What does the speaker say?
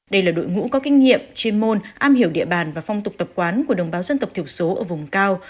đây là đội ngũ có kinh nghiệm chuyên môn am hiểu địa bàn và phong tục tập quán của đồng bào dân tộc thiểu số ở vùng cao